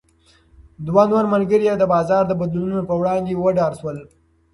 دوه نور ملګري یې د بازار د بدلونونو په وړاندې وډار شول.